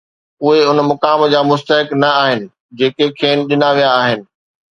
اهي ان مقام جا مستحق نه آهن، جيڪي کين ڏنا ويا آهن